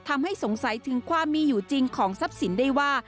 ทำให้สงสัยถึงความมีอยู่จริงของทรัพย์สินได้ว่า